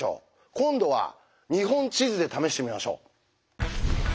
今度は日本地図で試してみましょう。